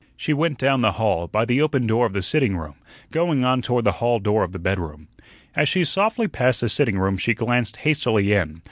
She went down the hall, by the open door of the sitting room, going on toward the hall door of the bedroom. As she softly passed the sitting room she glanced hastily in.